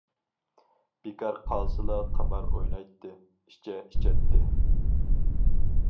بىكار قالسىلا قىمار ئوينايتتى، ئىچە ئىچەتتى.